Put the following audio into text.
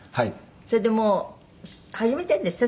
それでもう始めてるんですって？